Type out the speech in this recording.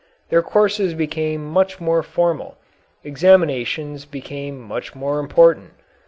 Their courses became much more formal, examinations became much more important.